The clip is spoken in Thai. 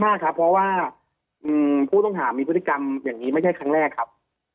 มากครับเพราะว่าผู้ต้องหามีพฤติกรรมอย่างนี้ไม่ใช่ครั้งแรกครับ